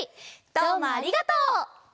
どうもありがとう！